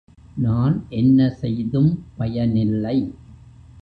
நான் என்ன செய்தும் பயனில்லை.